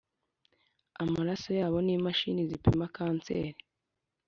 amaraso yabo n imashini zipima cancer